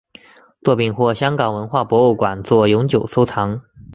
作品获香港文化博物馆作永久收藏。